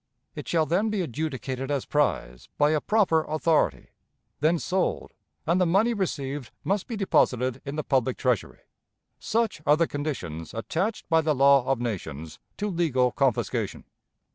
It shall then be adjudicated as prize by a proper authority, then sold, and the money received must be deposited in the public Treasury. Such are the conditions attached by the law of nations to legal confiscation.